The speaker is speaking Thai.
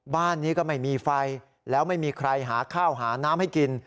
บ้านนี้ก็ไม่มีไฟแล้วไม่มีใครหาข้าวหาน้ำให้กิน